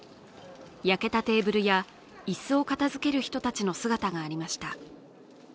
焼けたテーブルや椅子を片付ける人たちの姿がありました。